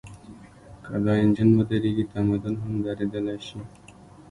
که دا انجن ودرېږي، تمدن هم درېدلی شي.